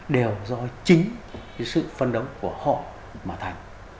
đều do chính cái sự phấn đấu của họ mà thành